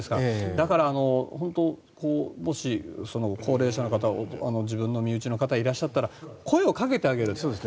だから、本当にもし高齢者の方自分の身内の方がいらっしゃったら声をかけてあげる。